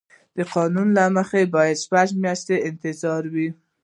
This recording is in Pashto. د قانون له مخې باید شپږ میاشتې انتظار وي.